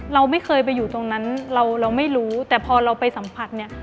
เราไม่เคยไปอยู่ตรงนั้นเราไม่รู้แต่พอเราไปสัมผัสเนี่ย